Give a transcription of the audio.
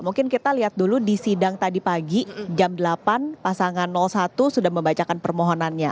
mungkin kita lihat dulu di sidang tadi pagi jam delapan pasangan satu sudah membacakan permohonannya